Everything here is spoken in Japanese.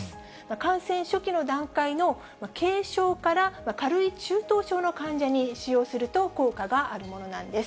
感染初期の段階の軽症から、軽い中等症の患者に使用すると効果があるものなんです。